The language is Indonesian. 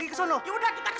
kakak ada giginya ya mbak